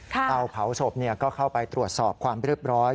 เตาเผาศพก็เข้าไปตรวจสอบความเรียบร้อย